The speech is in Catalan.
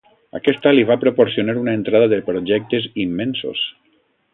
Aquesta li va proporcionar una entrada de projectes immensos.